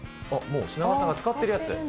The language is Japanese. もう品川さんが使ってるやつ？